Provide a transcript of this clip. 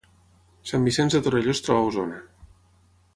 Sant Vicenç de Torelló es troba a Osona